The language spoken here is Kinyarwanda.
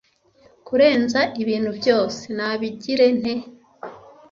Kurenza ubintu byose nabigire nte